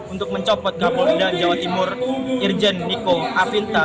untuk mencopot kapol ri dan jawa timur irjen niko afinta